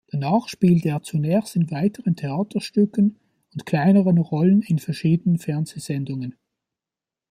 Danach spielte er zunächst in weiteren Theaterstücken und kleineren Rollen in verschiedenen Fernsehsendungen.